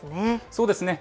そうですね。